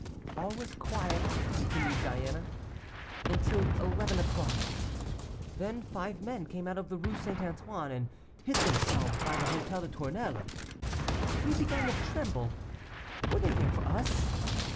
"All was quiet," continued Diana, "until eleven o'clock. Then five men came out of the Rue St Antoine, and hid themselves by the Hôtel des Tournelles. We began to tremble; were they there for us?